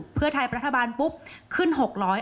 เพื่อไทยปรัฐบาลปุ๊บขึ้น๖๐๐บาท